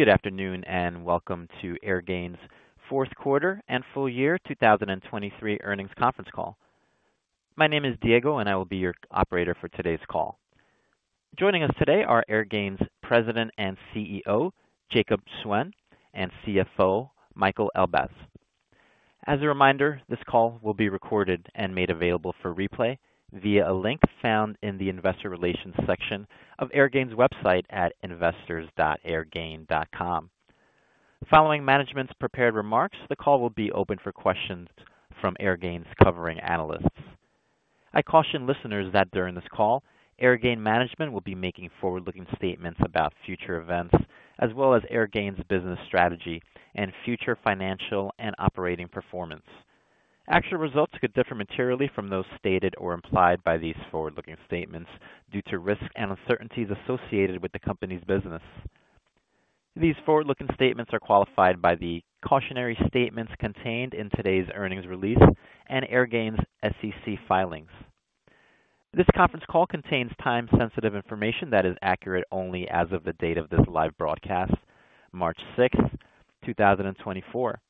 Good afternoon, and welcome to Airgain's Fourth Quarter and Full Year 2023 Earnings Conference Call. My name is Diego, and I will be your operator for today's call. Joining us today are Airgain's President and Chief Executive Officer, Jacob Suen, and Chief Financial Officer, Michael Elbaz. As a reminder, this call will be recorded and made available for replay via a link found in the investor relations section of Airgain's website at investors.airgain.com. Following management's prepared remarks, the call will be open for questions from Airgain's covering analysts. I caution listeners that during this call, Airgain management will be making forward-looking statements about future events, as well as Airgain's business strategy and future financial and operating performance. Actual results could differ materially from those stated or implied by these forward-looking statements due to risks and uncertainties associated with the company's business. These forward-looking statements are qualified by the cautionary statements contained in today's earnings release and Airgain's SEC filings. This conference call contains time-sensitive information that is accurate only as of the date of this live broadcast, March 6, 2024.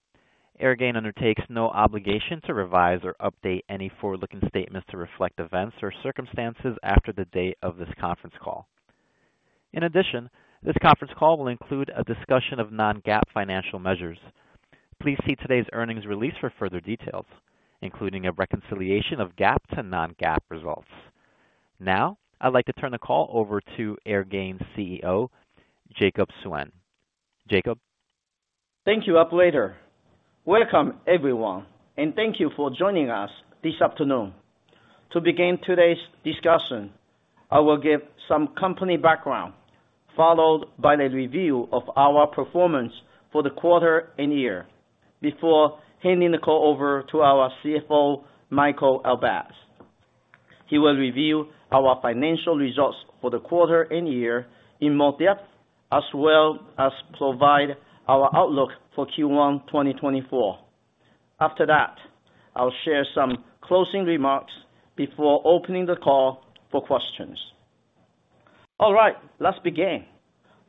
Airgain undertakes no obligation to revise or update any forward-looking statements to reflect events or circumstances after the date of this conference call. In addition, this conference call will include a discussion of non-GAAP financial measures. Please see today's earnings release for further details, including a reconciliation of GAAP to non-GAAP results. Now, I'd like to turn the call over to Airgain's Chief Executive Officer, Jacob Suen. Jacob? Thank you, operator. Welcome, everyone, and thank you for joining us this afternoon. To begin today's discussion, I will give some company background, followed by a review of our performance for the quarter and year, before handing the call over to our Chief Financial Officer, Michael Elbaz. He will review our financial results for the quarter and year in more depth, as well as provide our outlook for Q1 2024. After that, I'll share some closing remarks before opening the call for questions. All right, let's begin.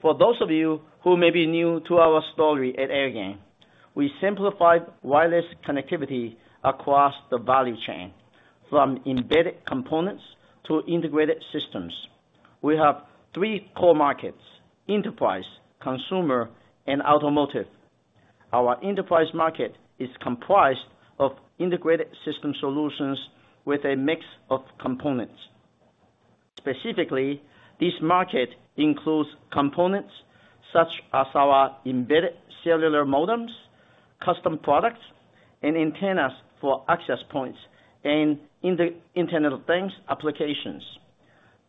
For those of you who may be new to our story at Airgain, we simplify wireless connectivity across the value chain, from embedded components to integrated systems. We have three core markets: enterprise, consumer, and automotive. Our enterprise market is comprised of integrated system solutions with a mix of components. Specifically, this market includes components such as our embedded cellular modems, custom products, and antennas for access points and in the Internet of Things applications.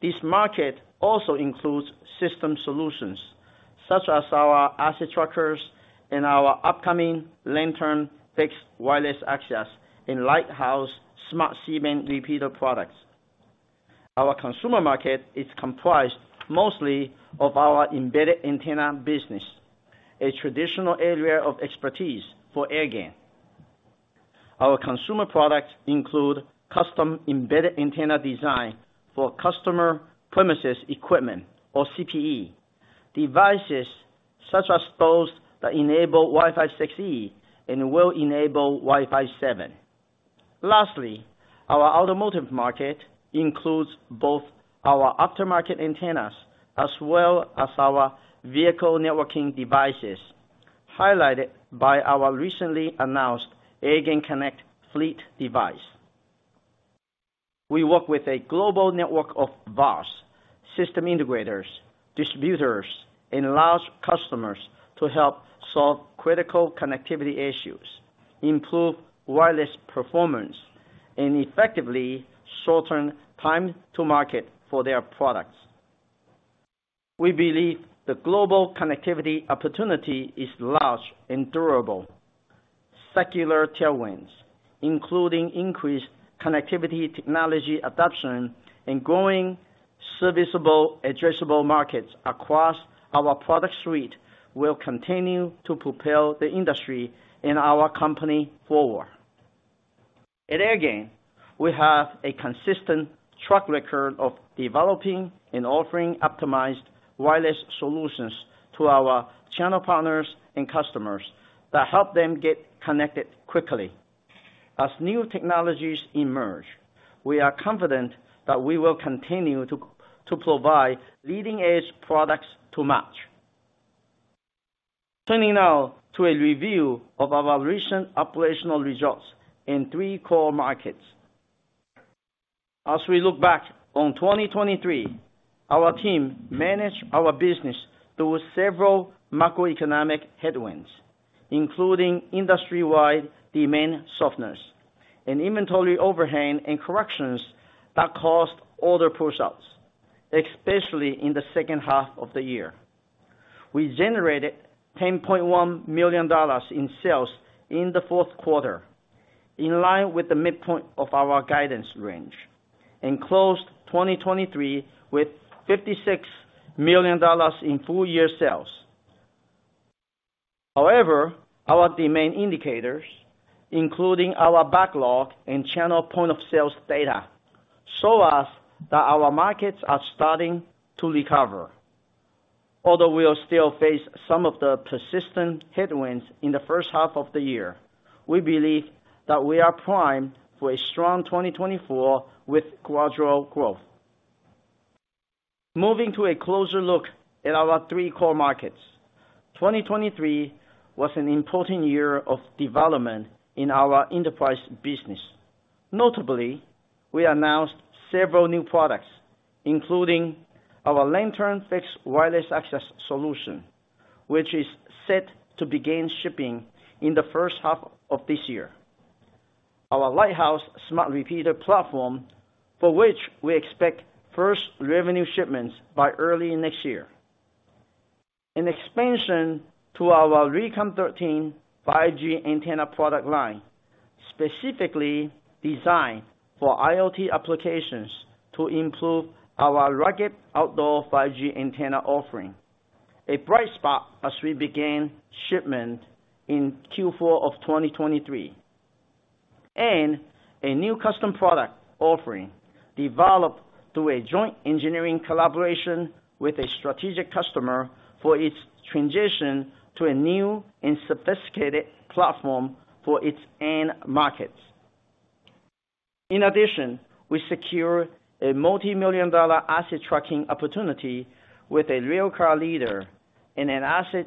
This market also includes system solutions, such as our Asset Trackers and our upcoming Lantern-based wireless access and Lighthouse Smart Repeater products. Our consumer market is comprised mostly of our embedded antenna business, a traditional area of expertise for Airgain. Our consumer products include custom-embedded antenna design for customer premises equipment or CPE, devices such as those that enable Wi-Fi 6E and will enable Wi-Fi 7. Lastly, our automotive market includes both our aftermarket antennas as well as our vehicle networking devices, highlighted by our recently announced AirgainConnect Fleet device. We work with a global network of VARs, system integrators, distributors, and large customers to help solve critical connectivity issues, improve wireless performance, and effectively shorten time to market for their products. We believe the global connectivity opportunity is large and durable. Secular tailwinds, including increased connectivity, technology adoption, and growing serviceable addressable markets across our product suite, will continue to propel the industry and our company forward. At Airgain, we have a consistent track record of developing and offering optimized wireless solutions to our channel partners and customers that help them get connected quickly. As new technologies emerge, we are confident that we will continue to provide leading-edge products to match. Turning now to a review of our recent operational results in three core markets. As we look back on 2023, our team managed our business through several macroeconomic headwinds, including industry-wide demand softness and inventory overhang and corrections that caused order pushouts, especially in the second half of the year. We generated $10.1 million in sales in the fourth quarter, in line with the midpoint of our guidance range, and closed 2023 with $56 million in full-year sales. However, our demand indicators, including our backlog and channel point of sales data, show us that our markets are starting to recover. Although we are still facing some of the persistent headwinds in the first half of the year, we believe that we are primed for a strong 2024 with gradual growth. Moving to a closer look at our three core markets. 2023 was an important year of development in our enterprise business. Notably, we announced several new products, including our Lantern Fixed Wireless Access solution, which is set to begin shipping in the first half of this year. Our Lighthouse Smart Repeater platform, for which we expect first revenue shipments by early next year. An expansion to our RECON13 5G antenna product line, specifically designed for IoT applications to improve our rugged outdoor 5G antenna offering. A bright spot as we begin shipment in Q4 of 2023, and a new custom product offering developed through a joint engineering collaboration with a strategic customer for its transition to a new and sophisticated platform for its end markets. In addition, we secure a multi-million dollar asset tracking opportunity with a rail car leader in an asset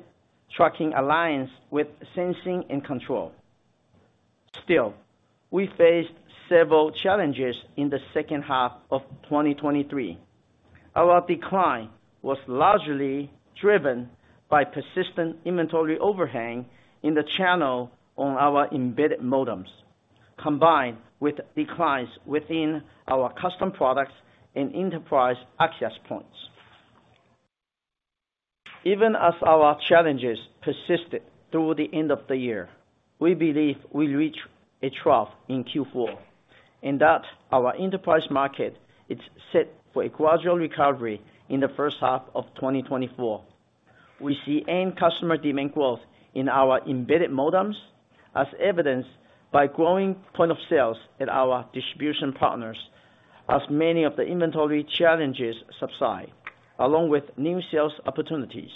tracking alliance with Sensing & Control. Still, we faced several challenges in the second half of 2023. Our decline was largely driven by persistent inventory overhang in the channel on our embedded modems, combined with declines within our custom products and enterprise access points. Even as our challenges persisted through the end of the year, we believe we reached a trough in Q4, and that our enterprise market is set for a gradual recovery in the first half of 2024. We see end customer demand growth in our embedded modems, as evidenced by growing point of sales at our distribution partners, as many of the inventory challenges subside, along with new sales opportunities.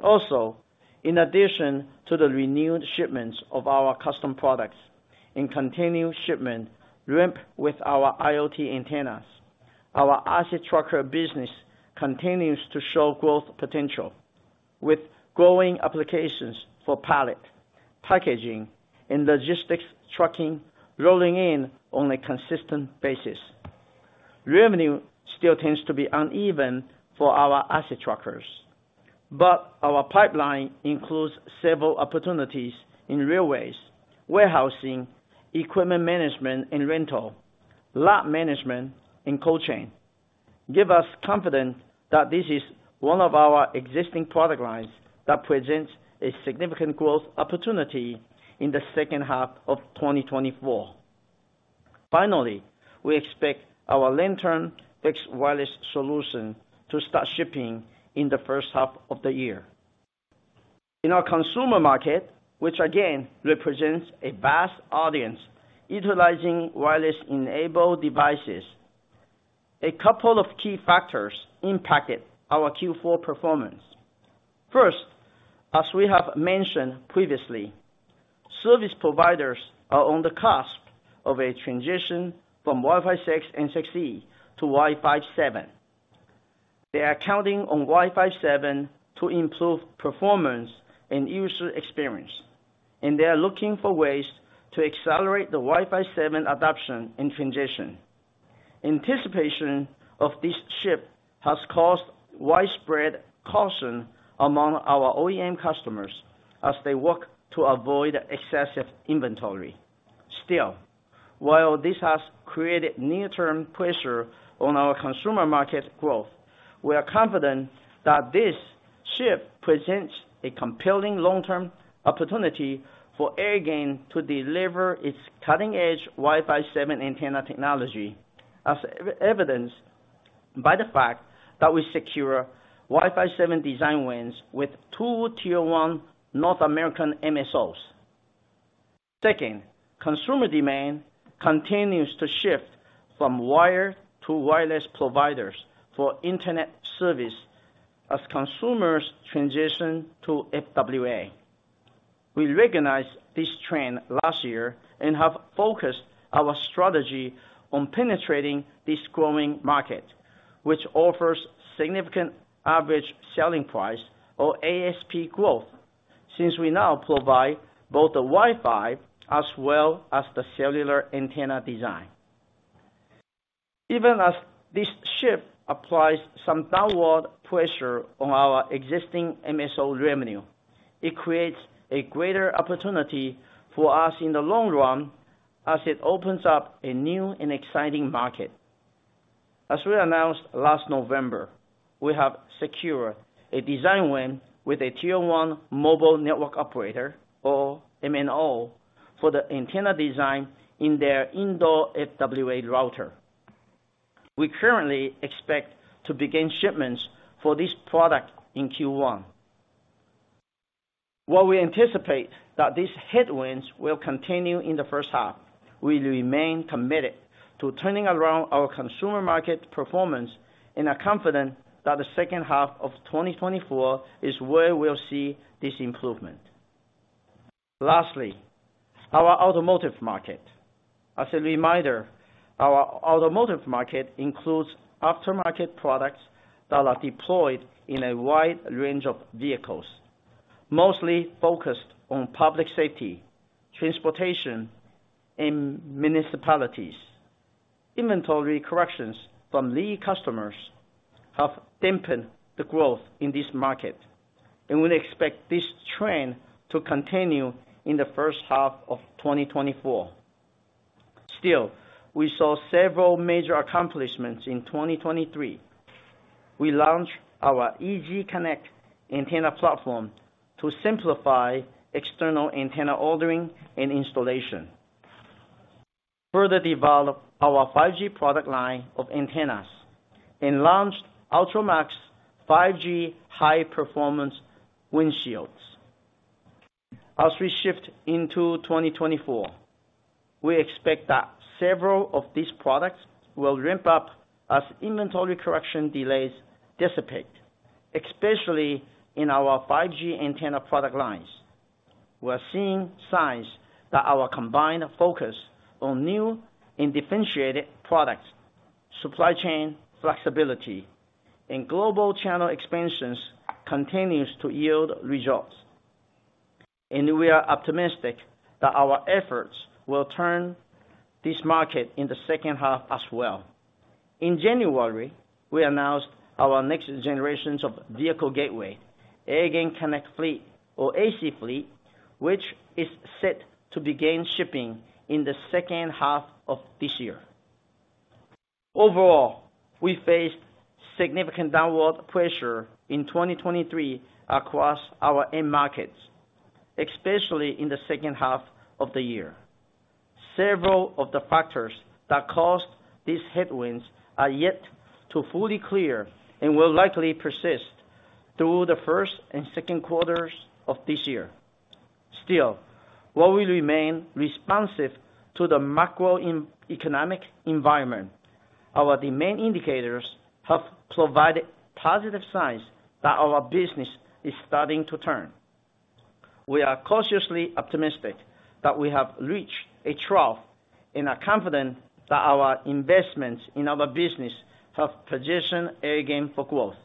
Also, in addition to the renewed shipments of our custom products and continued shipment ramp with our IoT antennas, our asset tracker business continues to show growth potential, with growing applications for pallet, packaging and logistics tracking rolling in on a consistent basis. Revenue still tends to be uneven for our Asset Trackers, but our pipeline includes several opportunities in railways, warehousing, equipment management and rental, lot management, and cold chain. Gives us confidence that this is one of our existing product lines that presents a significant growth opportunity in the second half of 2024. Finally, we expect our long-term fixed wireless solution to start shipping in the first half of the year. In our consumer market, which again represents a vast audience utilizing wireless-enabled devices, a couple of key factors impacted our Q4 performance. First, as we have mentioned previously, service providers are on the cusp of a transition from Wi-Fi 6 and 6E to Wi-Fi 7. They are counting on Wi-Fi 7 to improve performance and user experience, and they are looking for ways to accelerate the Wi-Fi 7 adoption and transition. Anticipation of this shift has caused widespread caution among our OEM customers as they work to avoid excessive inventory. Still, while this has created near-term pressure on our consumer market growth, we are confident that this shift presents a compelling long-term opportunity for Airgain to deliver its cutting-edge Wi-Fi 7 antenna technology, as evidenced by the fact that we secure Wi-Fi 7 design wins with two tier-one North American MSOs. Second, consumer demand continues to shift from wired to wireless providers for internet service as consumers transition to FWA. We recognized this trend last year and have focused our strategy on penetrating this growing market, which offers significant average selling price, or ASP, growth, since we now provide both the Wi-Fi as well as the cellular antenna design. Even as this shift applies some downward pressure on our existing MSO revenue, it creates a greater opportunity for us in the long run as it opens up a new and exciting market. As we announced last November, we have secured a design win with a tier one mobile network operator, or MNO, for the antenna design in their indoor FWA router. We currently expect to begin shipments for this product in Q1. While we anticipate that these headwinds will continue in the first half, we remain committed to turning around our consumer market performance, and are confident that the second half of 2024 is where we'll see this improvement. Lastly, our automotive market. As a reminder, our automotive market includes aftermarket products that are deployed in a wide range of vehicles, mostly focused on public safety, transportation, and municipalities. Inventory corrections from lead customers have dampened the growth in this market, and we expect this trend to continue in the first half of 2024. Still, we saw several major accomplishments in 2023. We launched our EZConnect antenna platform to simplify external antenna ordering and installation, further develop our 5G product line of antennas, and launched ULTRAMAX Glass 5G high-performance windshields. As we shift into 2024, we expect that several of these products will ramp up as inventory correction delays dissipate, especially in our 5G antenna product lines. We are seeing signs that our combined focus on new and differentiated products, supply chain flexibility, and global channel expansions continues to yield results, and we are optimistic that our efforts will turn this market in the second half as well. In January, we announced our next generations of vehicle gateway, AirgainConnect Fleet or AC-Fleet, which is set to begin shipping in the second half of this year. Overall, we faced significant downward pressure in 2023 across our end markets, especially in the second half of the year. Several of the factors that caused these headwinds are yet to fully clear and will likely persist through the first and second quarters of this year. Still, while we remain responsive to the macroeconomic environment, our demand indicators have provided positive signs that our business is starting to turn. We are cautiously optimistic that we have reached a trough, and are confident that our investments in other business have positioned Airgain for growth,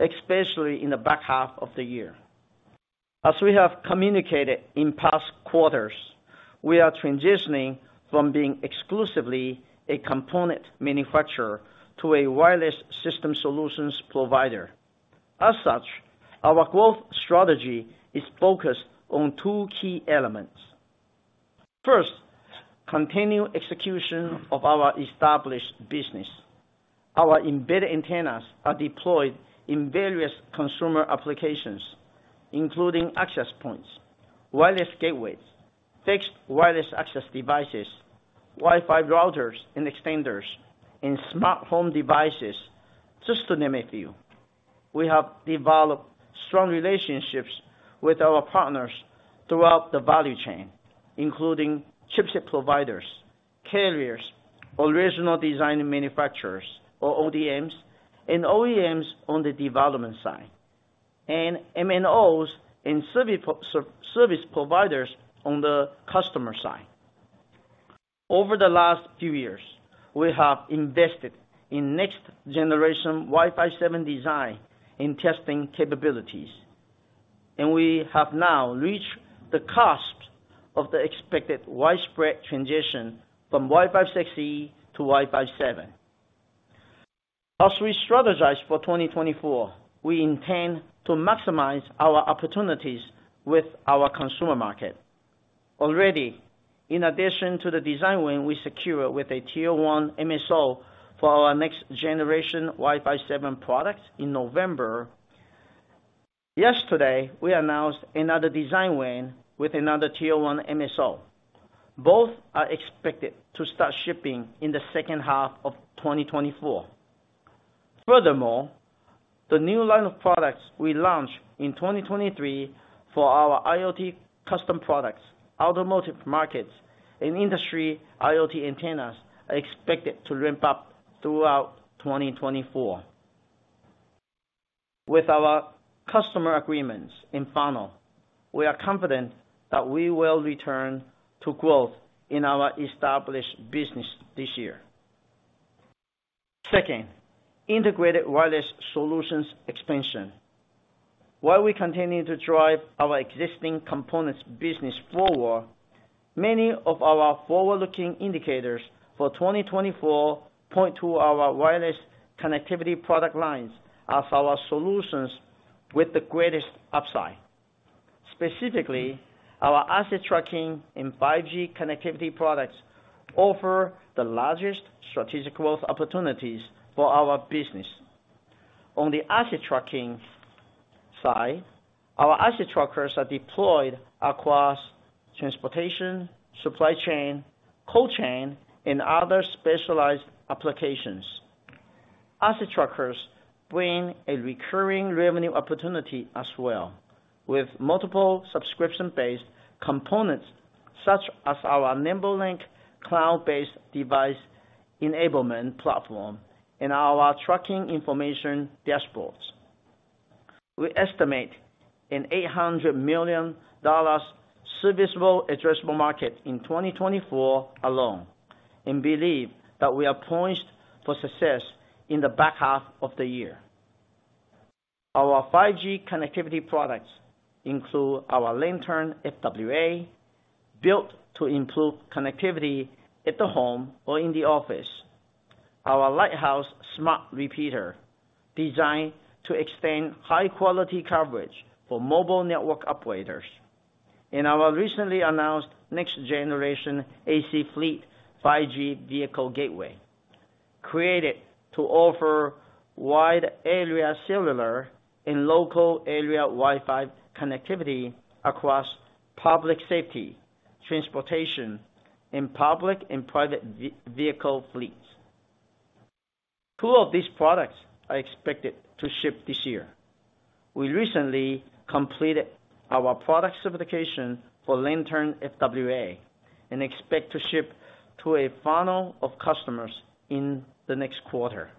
especially in the back half of the year. As we have communicated in past quarters, we are transitioning from being exclusively a component manufacturer to a wireless system solutions provider. As such, our growth strategy is focused on two key elements. First, continued execution of our established business. Our embedded antennas are deployed in various consumer applications, including access points, wireless gateways, fixed wireless access devices, Wi-Fi routers and extenders, and smartphone devices, just to name a few. We have developed strong relationships with our partners throughout the value chain, including chipset providers, carriers, original design manufacturers, or ODMs, and OEMs on the development side, and MNOs and service providers on the customer side. Over the last few years, we have invested in next-generation Wi-Fi 7 design and testing capabilities, and we have now reached the cusp of the expected widespread transition from Wi-Fi 6E to Wi-Fi 7. As we strategize for 2024, we intend to maximize our opportunities with our consumer market. Already, in addition to the design win we secured with a Tier One MSO for our next generation Wi-Fi 7 products in November, yesterday, we announced another design win with another Tier One MSO. Both are expected to start shipping in the second half of 2024. Furthermore, the new line of products we launched in 2023 for our IoT custom products, automotive markets, and industry IoT antennas, are expected to ramp up throughout 2024. With our customer agreements in final, we are confident that we will return to growth in our established business this year. Second, integrated wireless solutions expansion. While we continue to drive our existing components business forward, many of our forward-looking indicators for 2024 point to our wireless connectivity product lines as our solutions with the greatest upside. Specifically, our asset tracking and 5G connectivity products offer the largest strategic growth opportunities for our business... On the asset tracking side, our Asset Trackers are deployed across transportation, supply chain, cold chain, and other specialized applications. Asset Trackers bring a recurring revenue opportunity as well, with multiple subscription-based components, such as our NimbeLink cloud-based device enablement platform and our tracking information dashboards. We estimate an $800 million serviceable addressable market in 2024 alone, and believe that we are poised for success in the back half of the year. Our 5G connectivity products include our Lantern FWA, built to improve connectivity at the home or in the office. Our Lighthouse Smart Repeater, designed to extend high-quality coverage for mobile network operators, and our recently announced next generation AC Fleet 5G vehicle gateway, created to offer wide-area cellular and local area Wi-Fi connectivity across public safety, transportation, and public and private vehicle fleets. 2 of these products are expected to ship this year. We recently completed our product certification for Lantern FWA, and expect to ship to a funnel of customers in the next quarter.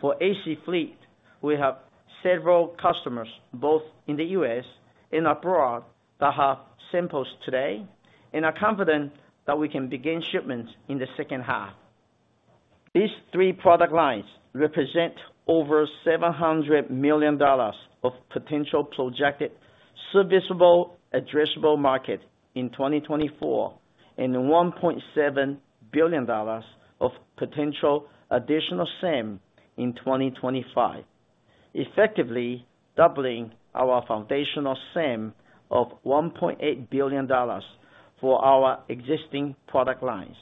For AC Fleet, we have several customers, both in the U.S. and abroad, that have samples today, and are confident that we can begin shipments in the second half. These three product lines represent over $700 million of potential projected serviceable addressable market in 2024, and $1.7 billion of potential additional SAM in 2025, effectively doubling our foundational SAM of $1.8 billion for our existing product lines.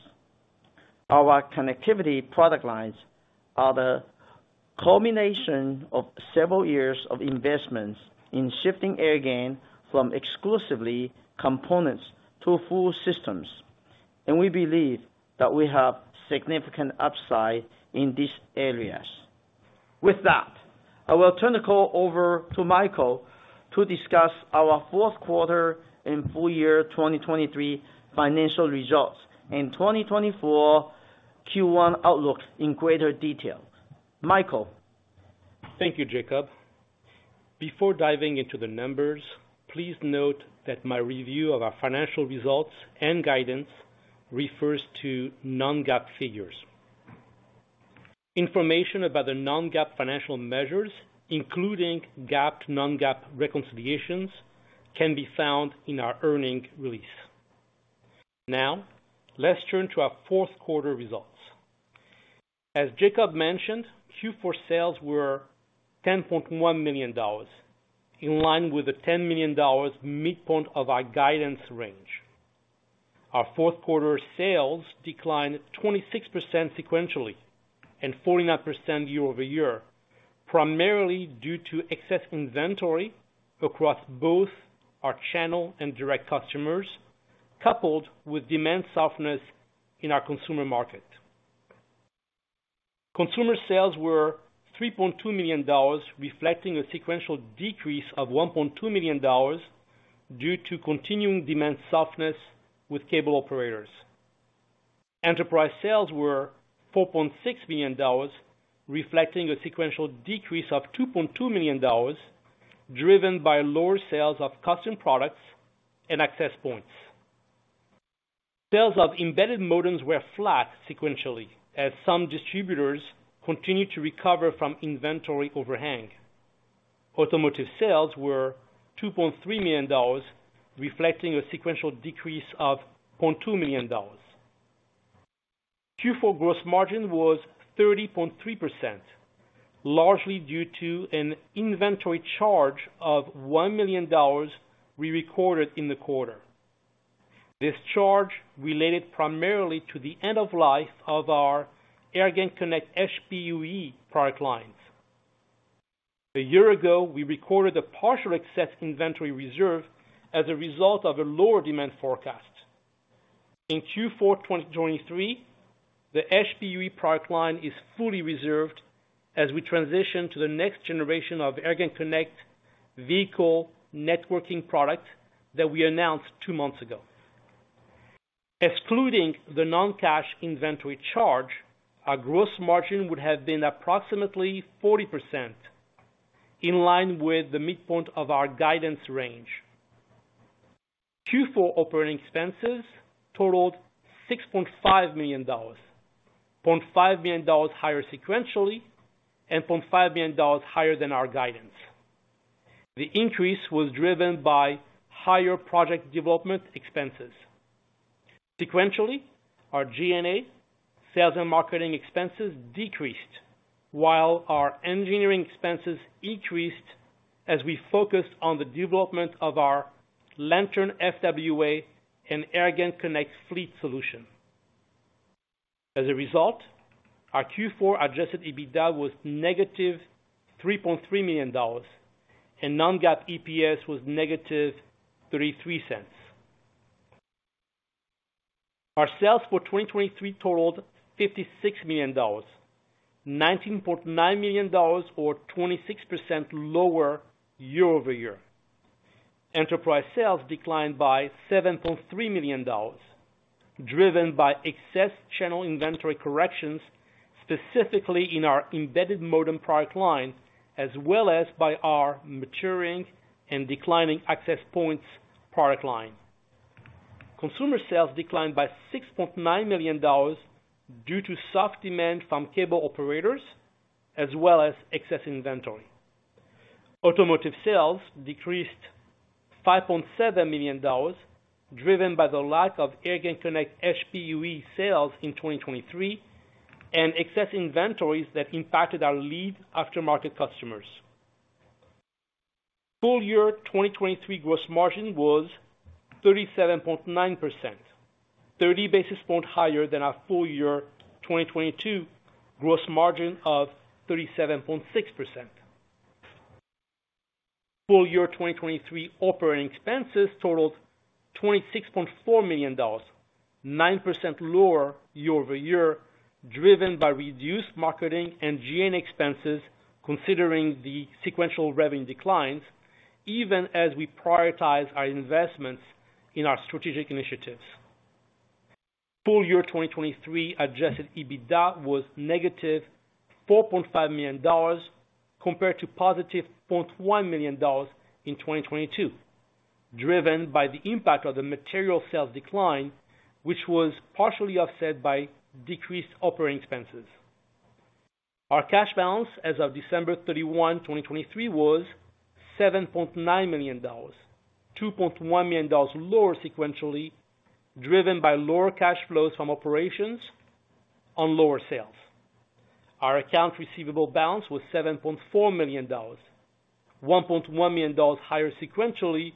Our connectivity product lines are the culmination of several years of investments in shifting Airgain from exclusively components to full systems, and we believe that we have significant upside in these areas. With that, I will turn the call over to Michael to discuss our fourth quarter and full year 2023 financial results and 2024 Q1 outlook in greater detail. Michael? Thank you, Jacob. Before diving into the numbers, please note that my review of our financial results and guidance refers to non-GAAP figures. Information about the non-GAAP financial measures, including GAAP to non-GAAP reconciliations, can be found in our earnings release. Now, let's turn to our fourth quarter results. As Jacob mentioned, Q4 sales were $10.1 million, in line with the $10 million midpoint of our guidance range. Our fourth quarter sales declined 26% sequentially, and 49% year-over-year, primarily due to excess inventory across both our channel and direct customers, coupled with demand softness in our consumer market. Consumer sales were $3.2 million, reflecting a sequential decrease of $1.2 million due to continuing demand softness with cable operators. Enterprise sales were $4.6 million, reflecting a sequential decrease of $2.2 million, driven by lower sales of custom products and access points. Sales of embedded modems were flat sequentially, as some distributors continued to recover from inventory overhang. Automotive sales were $2.3 million, reflecting a sequential decrease of $0.2 million. Q4 gross margin was 30.3%, largely due to an inventory charge of $1 million we recorded in the quarter. This charge related primarily to the end of life of our AirgainConnect AC-HPUE product lines. A year ago, we recorded a partial excess inventory reserve as a result of a lower demand forecast. In Q4 2023, the AC-HPUE product line is fully reserved as we transition to the next generation of AirgainConnect vehicle networking product that we announced two months ago. Excluding the non-cash inventory charge, our gross margin would have been approximately 40%, in line with the midpoint of our guidance range. Q4 operating expenses totaled $6.5 million, $0.5 million higher sequentially, and $0.5 million higher than our guidance. The increase was driven by higher project development expenses. Sequentially, our G&A, sales and marketing expenses decreased, while our engineering expenses increased as we focused on the development of our Lantern FWA and AirgainConnect Fleet solution. As a result, our Q4 adjusted EBITDA was -$3.3 million, and non-GAAP EPS was -$0.33. Our sales for 2023 totaled $56 million, $19.9 million or 26% lower year-over-year. Enterprise sales declined by $7.3 million, driven by excess channel inventory corrections, specifically in our embedded modem product line, as well as by our maturing and declining access points product line. Consumer sales declined by $6.9 million due to soft demand from cable operators, as well as excess inventory. Automotive sales decreased $5.7 million, driven by the lack of AirgainConnect HPUE sales in 2023, and excess inventories that impacted our lead aftermarket customers. Full year 2023 gross margin was 37.9%, 30 basis points higher than our full year 2022 gross margin of 37.6%. Full year 2023 operating expenses totaled $26.4 million, 9% lower year-over-year, driven by reduced marketing and G&A expenses, considering the sequential revenue declines, even as we prioritize our investments in our strategic initiatives. Full year 2023 adjusted EBITDA was -$4.5 million, compared to $0.1 million in 2022, driven by the impact of the material sales decline, which was partially offset by decreased operating expenses. Our cash balance as of December 31, 2023, was $7.9 million, $2.1 million lower sequentially, driven by lower cash flows from operations on lower sales. Our accounts receivable balance was $7.4 million, $1.1 million higher sequentially,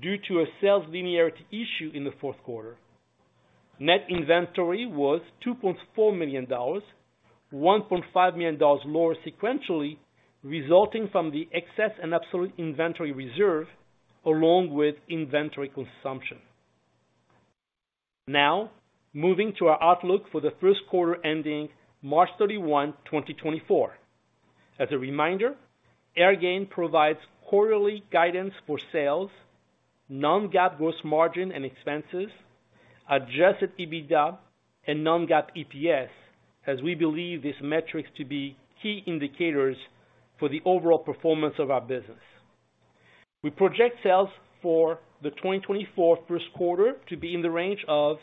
due to a sales linearity issue in the fourth quarter. Net inventory was $2.4 million, $1.5 million lower sequentially, resulting from the excess and obsolete inventory reserve, along with inventory consumption. Now, moving to our outlook for the first quarter ending March 31, 2024. As a reminder, Airgain provides quarterly guidance for sales, non-GAAP gross margin and expenses, adjusted EBITDA and non-GAAP EPS, as we believe these metrics to be key indicators for the overall performance of our business. We project sales for the 2024 first quarter to be in the range of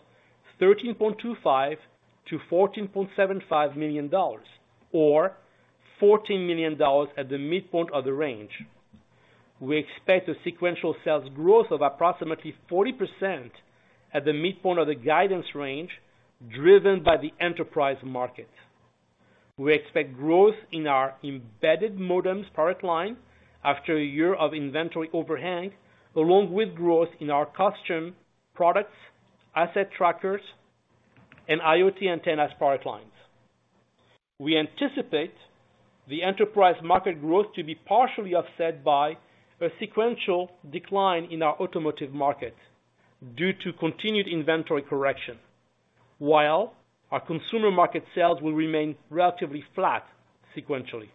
$13.25 million-$14.75 million, or $14 million at the midpoint of the range. We expect a sequential sales growth of approximately 40% at the midpoint of the guidance range, driven by the enterprise market. We expect growth in our embedded modems product line after a year of inventory overhang, along with growth in our custom products, Asset Trackers, and IoT antennas product lines. We anticipate the enterprise market growth to be partially offset by a sequential decline in our automotive market due to continued inventory correction, while our consumer market sales will remain relatively flat sequentially.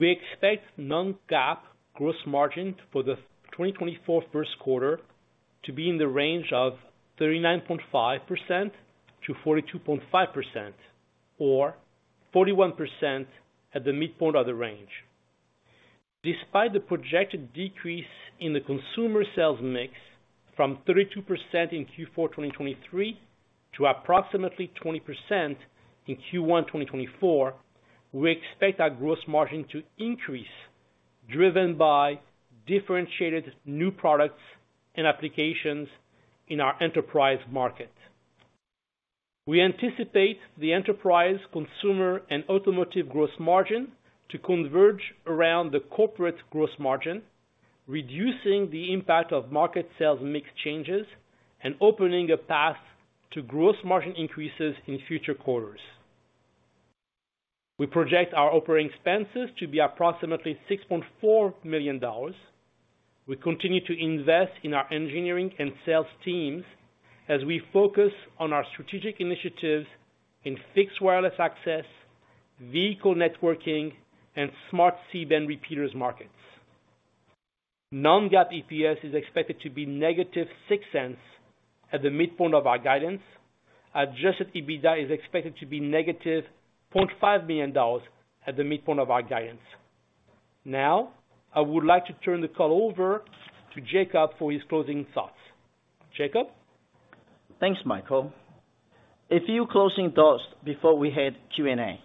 We expect non-GAAP gross margin for the 2024 first quarter to be in the range of 39.5%-42.5%, or 41% at the midpoint of the range. Despite the projected decrease in the consumer sales mix from 32% in Q4 2023 to approximately 20% in Q1 2024, we expect our gross margin to increase, driven by differentiated new products and applications in our enterprise market. We anticipate the enterprise, consumer, and automotive gross margin to converge around the corporate gross margin, reducing the impact of market sales mix changes and opening a path to gross margin increases in future quarters. We project our operating expenses to be approximately $6.4 million. We continue to invest in our engineering and sales teams as we focus on our strategic initiatives in fixed wireless access, vehicle networking, and smart C-band repeaters markets. Non-GAAP EPS is expected to be -$0.06 at the midpoint of our guidance. Adjusted EBITDA is expected to be -$0.5 million at the midpoint of our guidance. Now, I would like to turn the call over to Jacob for his closing thoughts. Jacob? Thanks, Michael. A few closing thoughts before we head Q&A.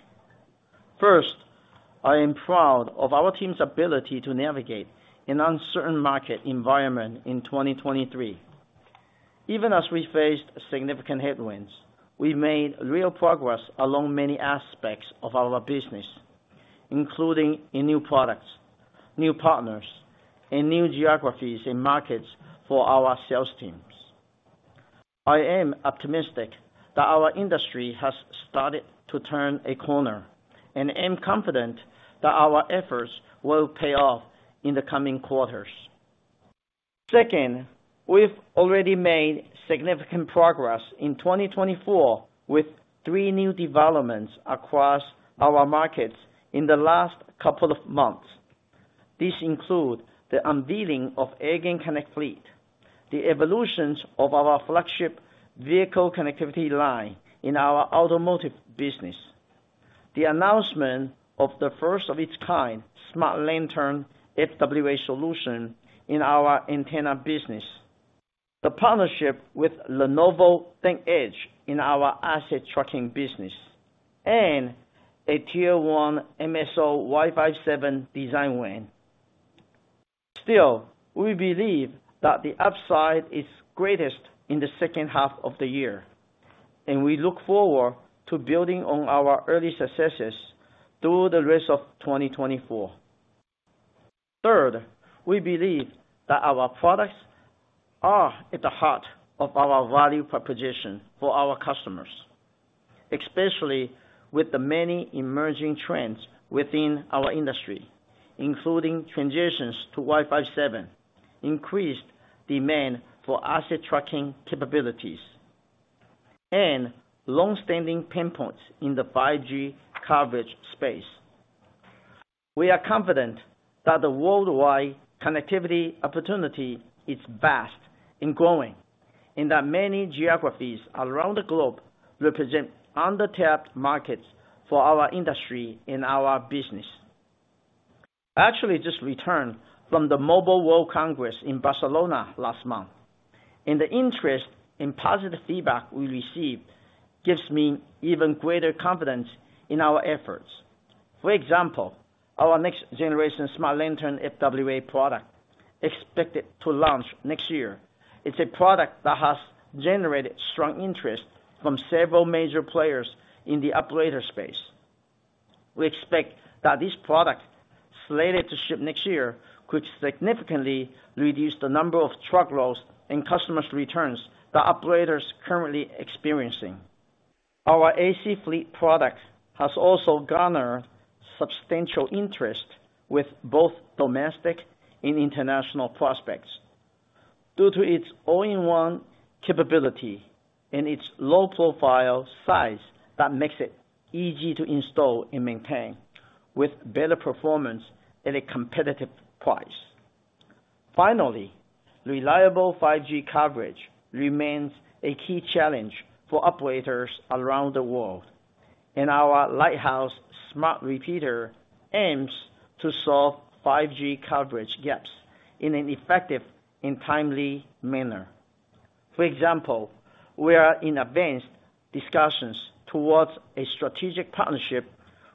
First, I am proud of our team's ability to navigate an uncertain market environment in 2023. Even as we faced significant headwinds, we made real progress along many aspects of our business including in new products, new partners, and new geographies and markets for our sales teams. I am optimistic that our industry has started to turn a corner, and I'm confident that our efforts will pay off in the coming quarters. Second, we've already made significant progress in 2024, with three new developments across our markets in the last couple of months. This includes the unveiling of AirgainConnect Fleet, the evolution of our flagship vehicle connectivity line in our automotive business, the announcement of the first of its kind, Smart Lantern FWA solution in our antenna business, the partnership with Lenovo ThinkEdge in our asset tracking business, and a Tier One MSO Wi-Fi 7 design win. Still, we believe that the upside is greatest in the second half of the year, and we look forward to building on our early successes through the rest of 2024. Third, we believe that our products are at the heart of our value proposition for our customers, especially with the many emerging trends within our industry, including transitions to Wi-Fi 7, increased demand for asset tracking capabilities, and long-standing pain points in the 5G coverage space. We are confident that the worldwide connectivity opportunity is vast and growing, and that many geographies around the globe represent undertapped markets for our industry and our business. I actually just returned from the Mobile World Congress in Barcelona last month, and the interest and positive feedback we received gives me even greater confidence in our efforts. For example, our next generation Smart Lantern FWA product, expected to launch next year. It's a product that has generated strong interest from several major players in the operator space. We expect that this product, slated to ship next year, could significantly reduce the number of truck rolls and customer returns that operators currently experiencing. Our AC-Fleet product has also garnered substantial interest with both domestic and international prospects. Due to its all-in-one capability and its low profile size, that makes it easy to install and maintain, with better performance at a competitive price. Finally, reliable 5G coverage remains a key challenge for operators around the world, and our Lighthouse Smart Repeater aims to solve 5G coverage gaps in an effective and timely manner. For example, we are in advanced discussions towards a strategic partnership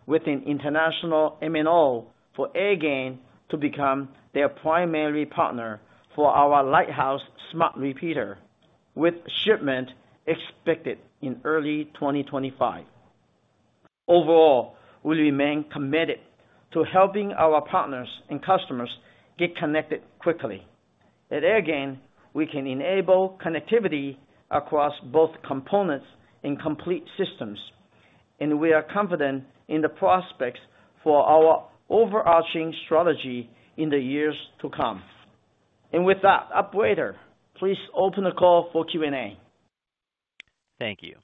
with an international MNO for Airgain to become their primary partner for our Lighthouse Smart Repeater, with shipment expected in early 2025. Overall, we remain committed to helping our partners and customers get connected quickly. At Airgain, we can enable connectivity across both components and complete systems, and we are confident in the prospects for our overarching strategy in the years to come. And with that, operator, please open the call for Q&A. Thank you.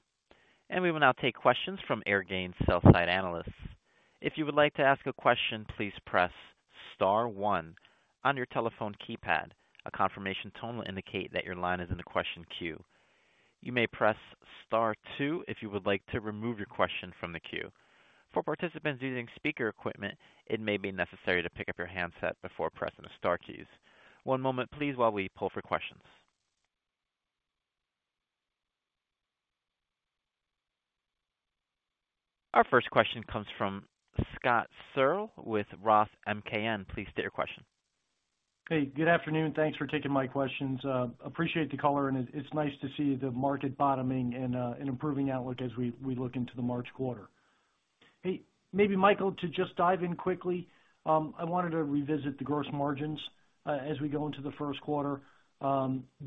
And we will now take questions from Airgain sell-side analysts. If you would like to ask a question, please press star one on your telephone keypad. A confirmation tone will indicate that your line is in the question queue. You may press star two if you would like to remove your question from the queue. For participants using speaker equipment, it may be necessary to pick up your handset before pressing the star keys. One moment, please, while we pull for questions. Our first question comes from Scott Searle with Roth MKM. Please state your question. Hey, good afternoon. Thanks for taking my questions. Appreciate the call-in, and it's nice to see the market bottoming and improving outlook as we look into the March quarter. Hey, maybe Michael, to just dive in quickly, I wanted to revisit the gross margins as we go into the first quarter.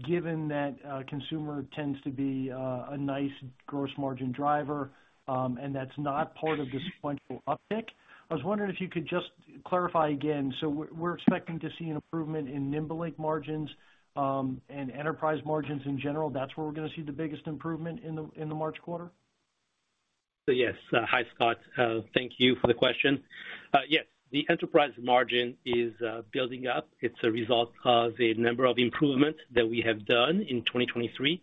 Given that consumer tends to be a nice gross margin driver, and that's not part of this plentiful uptick. I was wondering if you could just clarify again. So we're expecting to see an improvement in NimbeLink margins and enterprise margins in general. That's where we're gonna see the biggest improvement in the March quarter? So, yes. Hi, Scott. Thank you for the question. Yes, the enterprise margin is building up. It's a result of a number of improvements that we have done in 2023.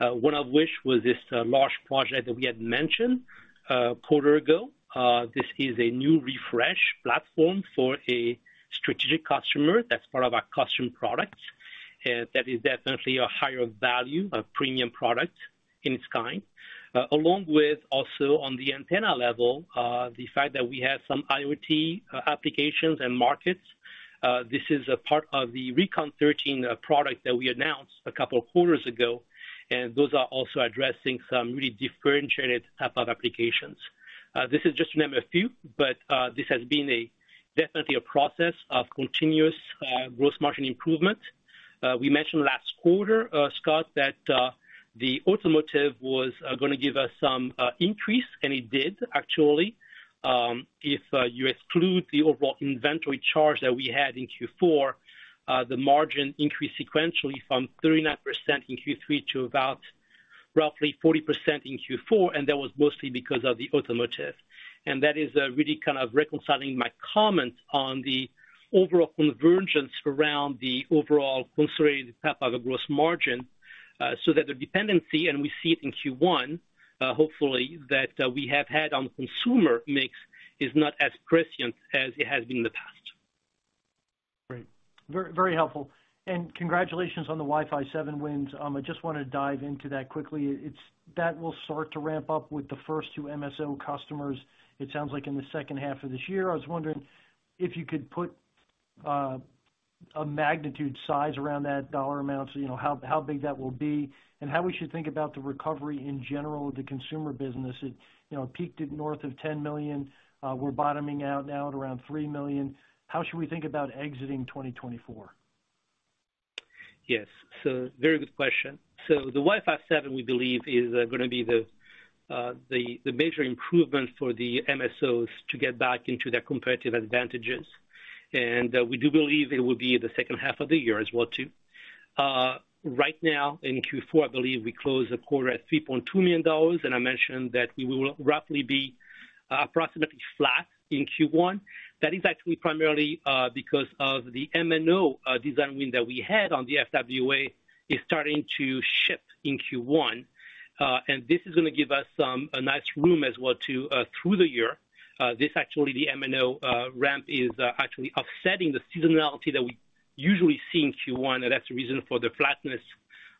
One of which was this large project that we had mentioned a quarter ago. This is a new refresh platform for a strategic customer that's part of our custom product. That is definitely a higher value, a premium product in its kind. Along with also on the antenna level, the fact that we have some IoT applications and markets. This is a part of the RECON13 product that we announced a couple of quarters ago, and those are also addressing some really differentiated type of applications. This is just to name a few, but this has been a definitely a process of continuous gross margin improvement. We mentioned last quarter, Scott, that the automotive was gonna give us some increase, and it did actually. If you exclude the overall inventory charge that we had in Q4, the margin increased sequentially from 39% in Q3 to about roughly 40% in Q4, and that was mostly because of the automotive. That is really kind of reconciling my comment on the overall convergence around the overall consolidated gross margin, so that the dependency, and we see it in Q1, hopefully that we have had on the consumer mix is not as prescient as it has been in the past. Great. Very, very helpful. And congratulations on the Wi-Fi 7 wins. I just wanna dive into that quickly. It will start to ramp up with the first two MSO customers, it sounds like in the second half of this year. I was wondering if you could put a magnitude size around that dollar amount so you know, how, how big that will be and how we should think about the recovery in general of the consumer business. It, you know, peaked at north of $10 million, we're bottoming out now at around $3 million. How should we think about exiting 2024? Yes, so very good question. So the Wi-Fi 7, we believe, is gonna be the major improvement for the MSOs to get back into their competitive advantages. And we do believe it will be the second half of the year as well, too. Right now, in Q4, I believe we closed the quarter at $3.2 million, and I mentioned that we will roughly be approximately flat in Q1. That is actually primarily because of the MNO design win that we had on the FWA is starting to ship in Q1. And this is gonna give us a nice room as well, too, through the year. This actually, the MNO ramp, is actually offsetting the seasonality that we usually see in Q1, and that's the reason for the flatness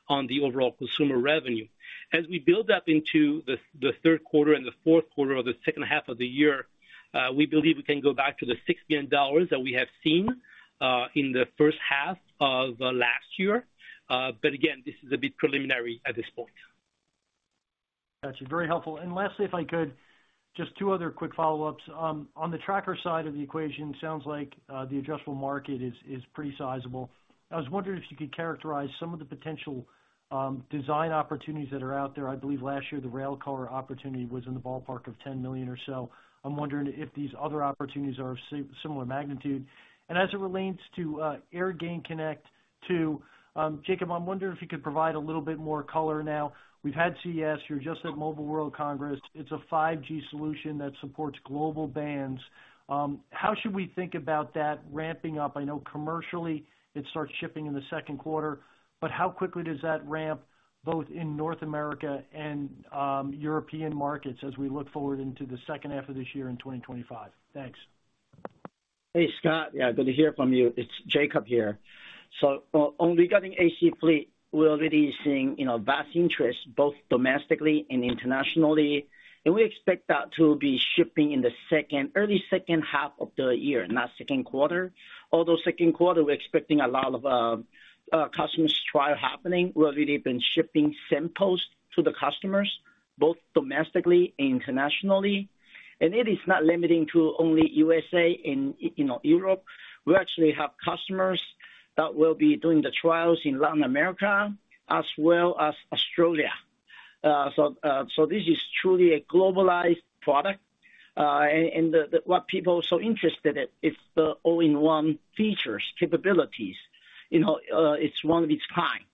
on the overall consumer revenue. As we build up into the third quarter and the fourth quarter or the second half of the year, we believe we can go back to the $6 million that we have seen in the first half of last year. But again, this is a bit preliminary at this point. That's very helpful. Lastly, if I could, just two other quick follow-ups. On the tracker side of the equation, sounds like the addressable market is pretty sizable. I was wondering if you could characterize some of the potential design opportunities that are out there. I believe last year, the rail car opportunity was in the ballpark of $10 million or so. I'm wondering if these other opportunities are of similar magnitude. And as it relates to AirgainConnect, too, Jacob, I'm wondering if you could provide a little bit more color now. We've had CES, you're just at Mobile World Congress. It's a 5G solution that supports global bands. How should we think about that ramping up? I know commercially, it starts shipping in the second quarter, but how quickly does that ramp, both in North America and European markets as we look forward into the second half of this year in 2025? Thanks. Hey, Scott. Yeah, good to hear from you. It's Jacob here. So on regarding AC-Fleet, we're already seeing, you know, vast interest, both domestically and internationally, and we expect that to be shipping in the second, early second half of the year, not second quarter. Although second quarter, we're expecting a lot of customers trial happening. We've already been shipping samples to the customers, both domestically and internationally. And it is not limiting to only U.S.A. and, you know, Europe. We actually have customers that will be doing the trials in Latin America as well as Australia. So this is truly a globalized product, and what people are so interested in is the all-in-one features, capabilities. You know, it's one of its kind.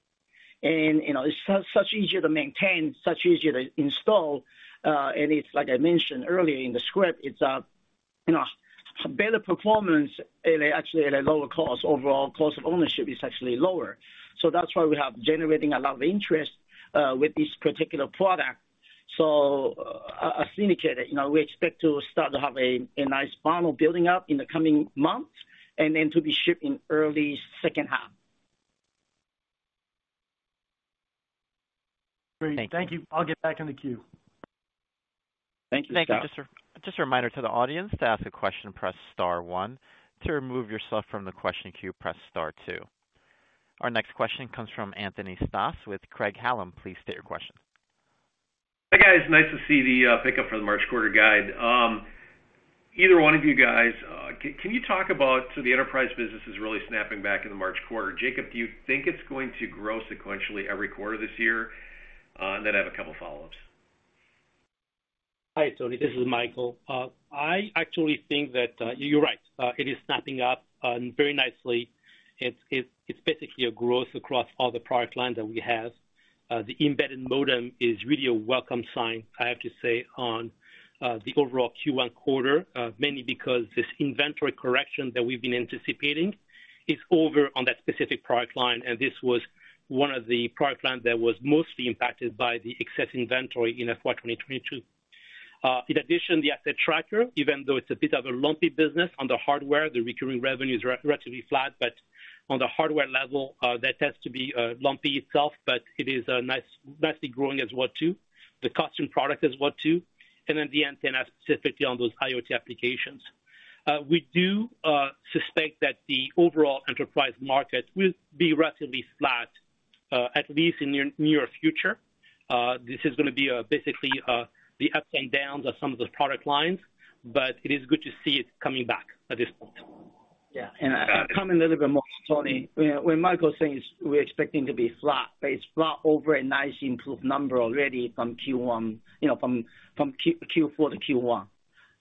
You know, it's such easier to maintain, such easier to install, and it's like I mentioned earlier in the script, it's a, you know, a better performance and actually at a lower cost. Overall cost of ownership is actually lower. So that's why we have generating a lot of interest with this particular product. So as indicated, you know, we expect to start to have a nice funnel building up in the coming months and then to be shipping early second half. Great. Thank you. Thank you. I'll get back in the queue. Thank you, Scott. Thank you. Just a reminder to the audience, to ask a question, press star one. To remove yourself from the question queue, press star two. Our next question comes from Anthony Stoss with Craig-Hallum. Please state your question. Hi, guys. Nice to see the pickup for the March quarter guide. Either one of you guys, can you talk about... So the enterprise business is really snapping back in the March quarter. Jacob, do you think it's going to grow sequentially every quarter this year? And then I have a couple follow-ups. Hi, Tony, this is Michael. I actually think that, you're right. It is snapping up, very nicely. It's basically a growth across all the product lines that we have. The embedded modem is really a welcome sign, I have to say, on, the overall Q1 quarter, mainly because this inventory correction that we've been anticipating is over on that specific product line, and this was one of the product lines that was mostly impacted by the excess inventory in FY 2022. In addition, the asset tracker, even though it's a bit of a lumpy business on the hardware, the recurring revenue is relatively flat, but on the hardware level, that tends to be lumpy itself, but it is nicely growing as well, too. The custom product as well, too, and then the antenna, specifically on those IoT applications. We do suspect that the overall enterprise market will be relatively flat, at least in near future. This is going to be, basically, the ups and downs of some of the product lines, but it is good to see it coming back at this point. Yeah, and I comment a little bit more, Tony. You know, what Michael is saying is we're expecting to be flat, but it's flat over a nicely improved number already from Q4 to Q1, you know.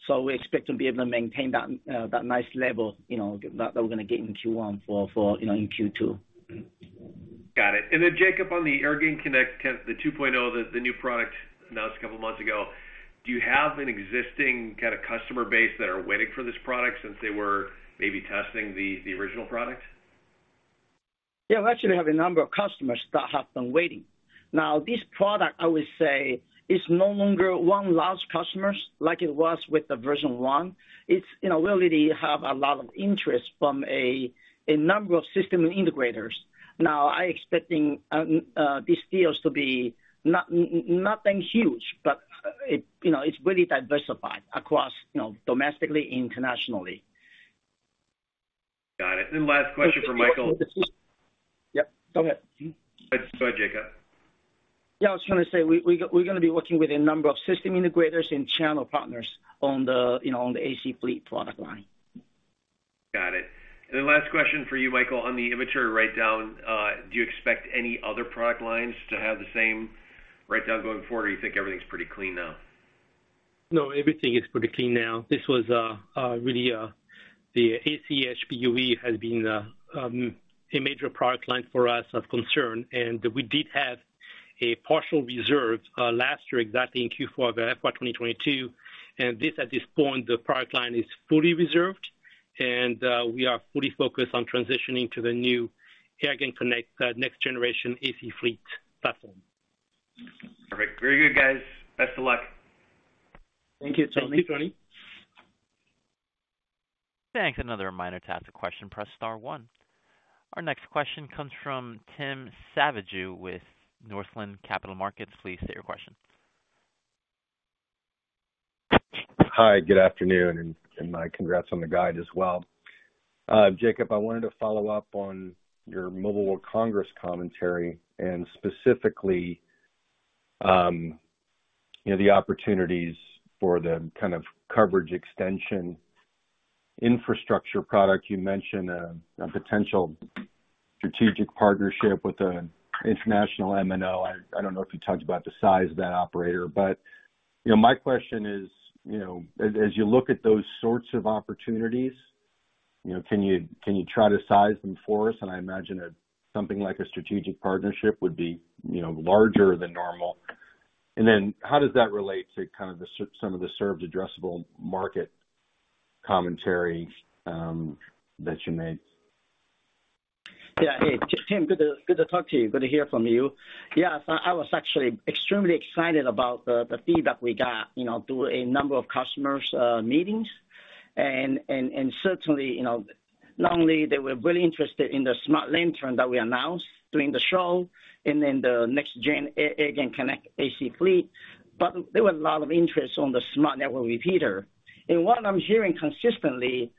So we expect to be able to maintain that nice level, you know, that we're going to get in Q1 for Q2. Got it. And then, Jacob, on the AirgainConnect 2.0, the new product announced a couple of months ago, do you have an existing kind of customer base that are waiting for this product since they were maybe testing the original product? Yeah, we actually have a number of customers that have been waiting. Now, this product, I would say, is no longer one large customers like it was with the version one. It's, you know, we already have a lot of interest from a, a number of system integrators. Now, I expecting, these deals to be nothing huge, but, it, you know, it's really diversified across, you know, domestically, internationally. Got it. And then last question for Michael. Yep, go ahead. Go ahead, Jacob. Yeah, I was going to say, we're going to be working with a number of system integrators and channel partners on the, you know, on the AC Fleet product line. Got it. And then last question for you, Michael. On the inventory write-down, do you expect any other product lines to have the same write-down going forward, or you think everything's pretty clean now? No, everything is pretty clean now. This was really the AC-HPUE has been a major product line for us of concern, and we did have a partial reserve last year, exactly in Q4 of the FY 2022. And this, at this point, the product line is fully reserved, and we are fully focused on transitioning to the new AirgainConnect next generation AC-Fleet platform. Perfect. Very good, guys. Best of luck. Thank you, Tony. Thank you, Tony. Thanks. Another reminder to ask a question, press star one. Our next question comes from Tim Savageaux with Northland Capital Markets. Please state your question. Hi, good afternoon, and my congrats on the guide as well. Jacob, I wanted to follow up on your Mobile World Congress commentary and specifically, you know, the opportunities for the kind of coverage extension infrastructure product. You mentioned a potential strategic partnership with an international MNO. I don't know if you talked about the size of that operator, but, you know, my question is, you know, as you look at those sorts of opportunities, you know, can you, can you try to size them for us? And I imagine that something like a strategic partnership would be, you know, larger than normal. And then how does that relate to kind of some of the serviceable addressable market commentary that you made? Yeah. Hey, Tim, good to talk to you. Good to hear from you. Yeah, I was actually extremely excited about the feedback we got, you know, through a number of customers meetings. And certainly, you know, not only they were really interested in the Lighthouse that we announced during the show and then the next gen AirgainConnect AC Fleet, but there was a lot of interest on the smart network repeater. And what I'm hearing consistently,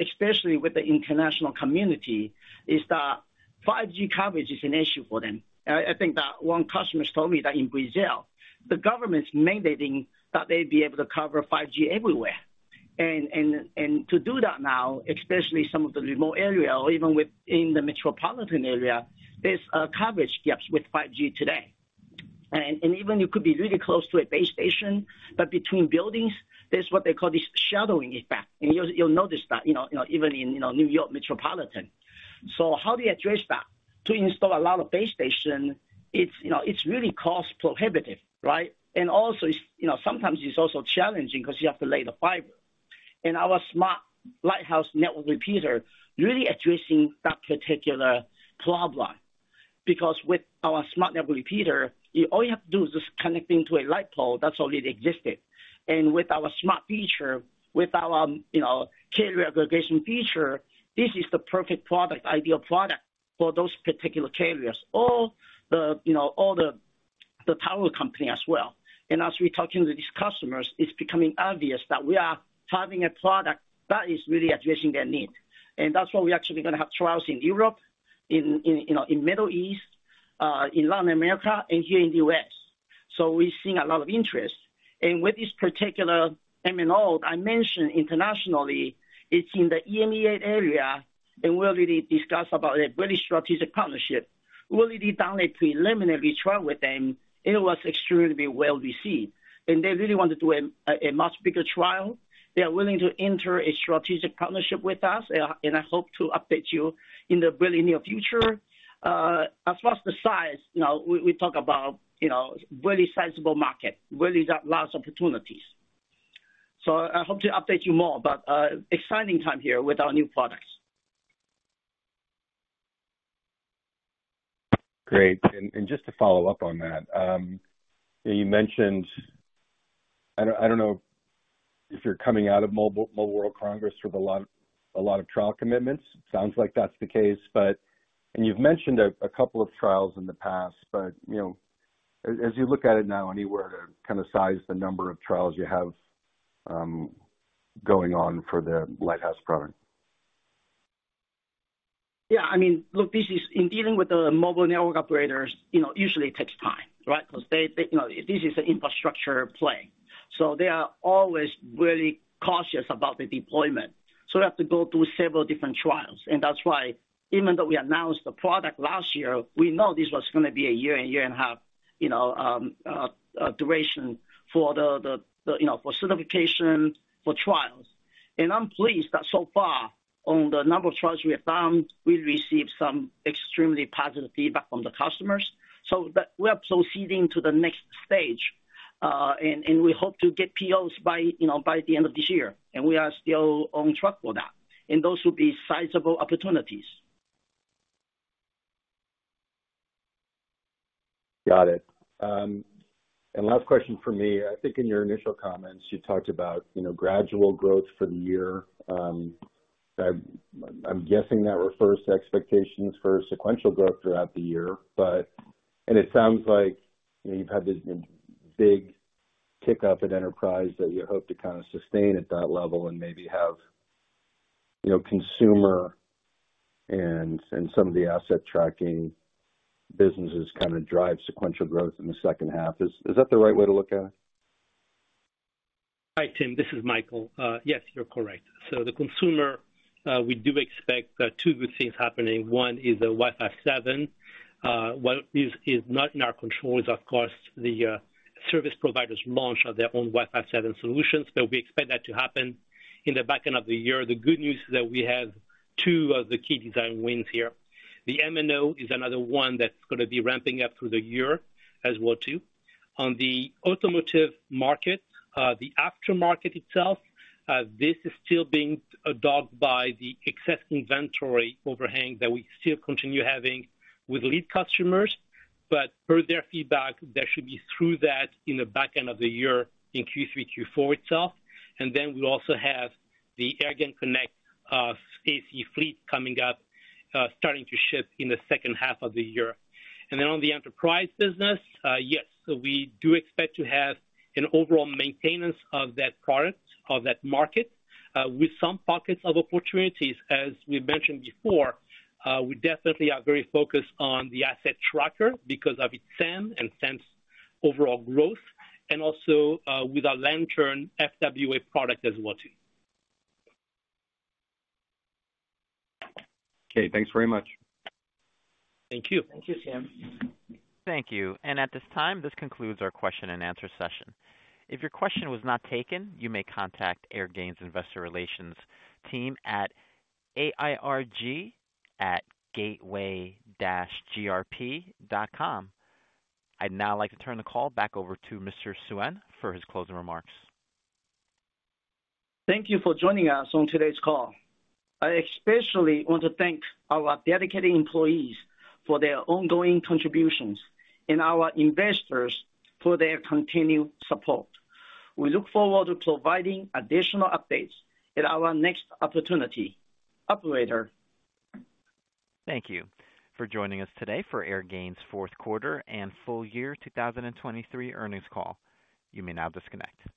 especially with the international community, is that 5G coverage is an issue for them. I think that one customer told me that in Brazil, the government's mandating that they be able to cover 5G everywhere. And to do that now, especially some of the remote areas or even within the metropolitan area, there's coverage gaps with 5G today. And even you could be really close to a base station, but between buildings, there's what they call the shadowing effect. And you'll notice that, you know, even in New York metropolitan. So how do you address that? To install a lot of base station, it's really cost prohibitive, right? And also, sometimes it's also challenging because you have to lay the fiber. And our smart Lighthouse network repeater really addressing that particular problem. Because with our smart network repeater, all you have to do is just connect it to a light pole that's already existed. And with our smart feature, with our carrier aggregation feature, this is the perfect product, ideal product for those particular carriers or the tower company as well. As we're talking with these customers, it's becoming obvious that we are having a product that is really addressing their need. That's why we're actually going to have trials in Europe, you know, in Middle East, in Latin America, and here in the U.S.. So we're seeing a lot of interest. With this particular MNO, I mentioned internationally, it's in the EMEA area, and we already discussed about a very strategic partnership. We already done a preliminary trial with them, and it was extremely well received, and they really want to do a much bigger trial. They are willing to enter a strategic partnership with us, and I hope to update you in the very near future. As far as the size, you know, we talk about, you know, really sizable market, really got large opportunities. So I hope to update you more, but exciting time here with our new products. Great. And just to follow up on that, you mentioned, I don't know if you're coming out of Mobile World Congress with a lot of trial commitments. Sounds like that's the case, but... And you've mentioned a couple of trials in the past, but, you know, as you look at it now, anywhere to kind of size the number of trials you have?... going on for the Lighthouse product? Yeah, I mean, look, this is, in dealing with the mobile network operators, you know, usually it takes time, right? Because they, you know, this is an infrastructure play, so they are always really cautious about the deployment. So we have to go through several different trials, and that's why, even though we announced the product last year, we know this was gonna be a year, a year and a half, you know, a duration for the, you know, for certification, for trials. And I'm pleased that so far, on the number of trials we have done, we've received some extremely positive feedback from the customers. So but we are proceeding to the next stage, and we hope to get POs by, you know, by the end of this year, and we are still on track for that. And those will be sizable opportunities. Got it. Last question for me. I think in your initial comments, you talked about, you know, gradual growth for the year. I'm guessing that refers to expectations for sequential growth throughout the year, but... It sounds like you've had this big kick off at Enterprise that you hope to kind of sustain at that level and maybe have, you know, consumer and some of the asset tracking businesses kind of drive sequential growth in the second half. Is that the right way to look at it? Hi, Tim, this is Michael. Yes, you're correct. So the consumer, we do expect two good things happening. One is the Wi-Fi 7. What is not in our control is, of course, the service providers launch of their own Wi-Fi 7 solutions, but we expect that to happen in the back end of the year. The good news is that we have two of the key design wins here. The MNO is another one that's gonna be ramping up through the year as well, too. On the automotive market, the aftermarket itself, this is still being dogged by the excess inventory overhang that we still continue having with lead customers. But per their feedback, they should be through that in the back end of the year, in Q3, Q4 itself. And then we also have the AirgainConnect AC-Fleet coming up, starting to ship in the second half of the year. On the enterprise business, yes, we do expect to have an overall maintenance of that product, of that market, with some pockets of opportunities. As we mentioned before, we definitely are very focused on the asset tracker because of its TAM and TAM's overall growth, and also, with our Lantern FWA product as well, too. Okay, thanks very much. Thank you. Thank you, Tim. Thank you. And at this time, this concludes our question and answer session. If your question was not taken, you may contact Airgain's Investor Relations team at airg@gateway-grp.com. I'd now like to turn the call back over to Mr. Suen for his closing remarks. Thank you for joining us on today's call. I especially want to thank our dedicated employees for their ongoing contributions and our investors for their continued support. We look forward to providing additional updates at our next opportunity. Operator? Thank you for joining us today for Airgain's Fourth Quarter and Full Year 2023 Earnings Call. You may now disconnect.